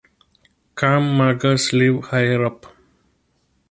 Kham Magars live higher up.